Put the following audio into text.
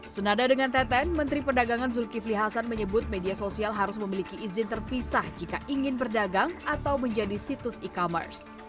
senada dengan teten menteri perdagangan zulkifli hasan menyebut media sosial harus memiliki izin terpisah jika ingin berdagang atau menjadi situs e commerce